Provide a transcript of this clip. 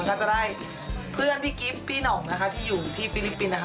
ก็จะได้เพื่อนพี่กิฟต์พี่หน่องนะคะที่อยู่ที่ฟิลิปปินส์นะคะ